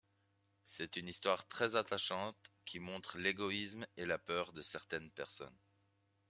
C'est une histoire très attachante qui montre l'égoïsme et la peur de certaines personnes.